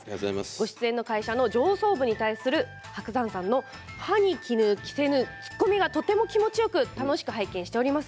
ご出演の会社の上層部に対する伯山先生の歯に衣着せぬツッコミがとても気持ちよく楽しく拝見しております。